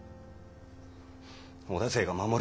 織田勢が守る